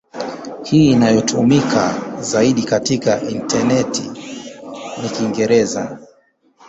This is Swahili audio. Hii inayotumika zaidi katika intaneti ni Kiingereza.